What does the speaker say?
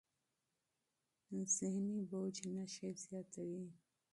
ذهني فشار نښې زیاتوي.